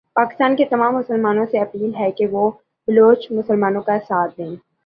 پاکستان کے تمام مسلمانوں سے اپیل ھے کہ وہ بلوچ مسلمان کا ساتھ دیں۔